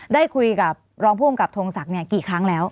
ได้คุยกับรองผู้กำกับทงศักดิ์กี่ครั้งแล้ว